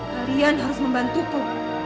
kalian harus membantuku